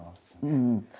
うん。